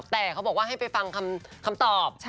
แต่เขาบอกว่าให้ไปฟังคำตอบ